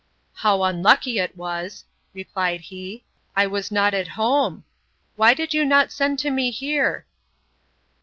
How unlucky it was, replied he, I was not at home?—Why did you not send to me here?